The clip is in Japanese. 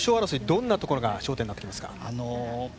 どんなところが焦点になってきますか？